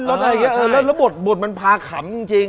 แล้วบทมันพาขำจริง